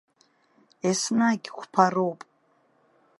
Еснагь қәԥароуп!